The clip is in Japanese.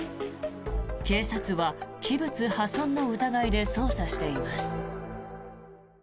警察は器物破損の疑いで捜査しています。